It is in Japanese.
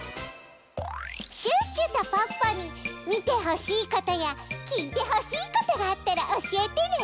シュッシュとポッポにみてほしいことやきいてほしいことがあったらおしえてね！